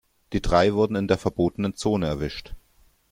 Die drei wurden in der verbotenen Zone erwischt.